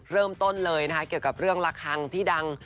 เริ่มต้นเลยนะคะเกี่ยวกับเรื่องละครังที่ดัง